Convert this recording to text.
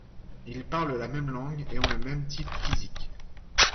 Ils parlent la même langue et ont le même type physique.